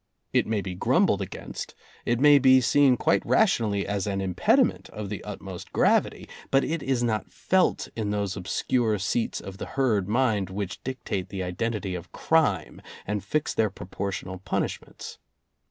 It may be grumbled against; it may be seen quite rationally as an impediment of the utmost gravity. But it is not felt in those obscure seats of the herd mind which dictate the identity of crime and fix their proportional punish ments.